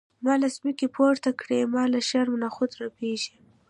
ما له ځمکې پورته کړي ما له شرم نخوت رپیږم.